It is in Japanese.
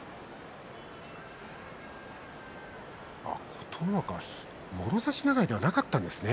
琴ノ若はもろ差しねらいではなかったんですね。